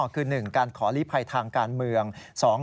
คือ๑การขอลีภัยทางการเมือง